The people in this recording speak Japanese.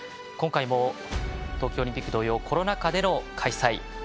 今回も東京オリンピック同様コロナ禍での開催。